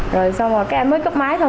rồi xong rồi cái anh mới cấp máy thôi